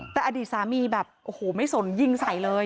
แต่อดีตสามีไม่สนยิงใส่เลย